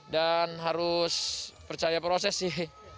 dan harus percaya proses sih